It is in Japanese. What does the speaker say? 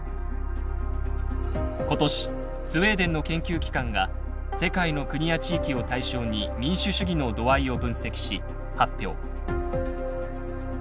今年スウェーデンの研究機関が世界の国や地域を対象に民主主義の度合いを分析し発表。